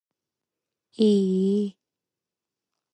Are there any other facilities or services available in the hotel?